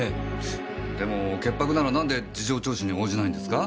でも潔白なら何で事情聴取に応じないんですか？